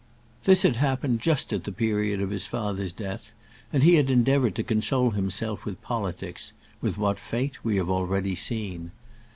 This had happened just at the period of his father's death, and he had endeavoured to console himself with politics, with what fate we have already seen.